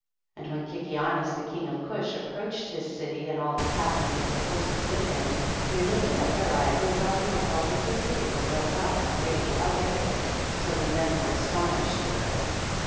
And when Kikianus the king of Cush approached his city and all the captains of the forces with him, they lifted up their eyes and saw that the walls of the city were built up and greatly elevated, so the men were astonished at this.